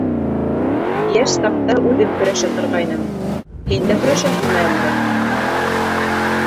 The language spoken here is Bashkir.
Йәш саҡта үҙем көрәшә торғайным, һин дә көрәшәһеңме әллә?